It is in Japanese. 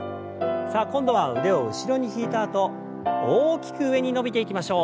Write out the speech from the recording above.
さあ今度は腕を後ろに引いたあと大きく上に伸びていきましょう。